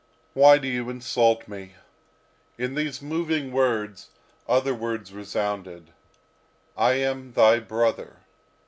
Why do you insult me?" In these moving words, other words resounded "I am thy brother."